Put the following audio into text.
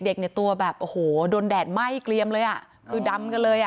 เด็กตัวแบบโดนแดดไหม้เกลี้ยมแล้วคือดำกันเลย